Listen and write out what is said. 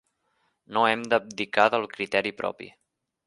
No hem d'abdicar del criteri propi.